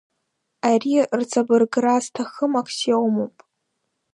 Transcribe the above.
Ари рҵабыргра зҭахым аксиомоуп.